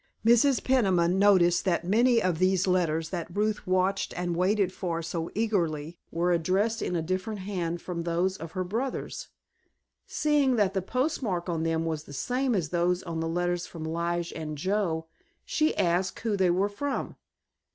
Mrs. Peniman noticed that many of these letters that Ruth watched and waited for so eagerly were addressed in a different hand from those of her brothers. Seeing that the postmark on them was the same as those on the letters of Lige and Joe she asked who they were from.